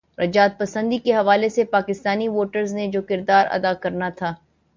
رجعت پسندی کے حوالے سے پاکستانی ووٹرز نے جو کردار ادا کرنا تھا۔